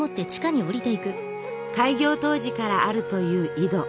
開業当時からあるという井戸。